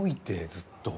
ずっと。